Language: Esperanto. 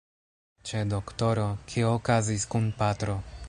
Ĉe doktoro? Kio okazis kun patro?